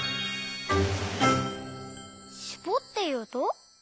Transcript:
「しぼっていうと」？